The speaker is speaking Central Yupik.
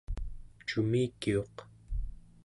cumikiuq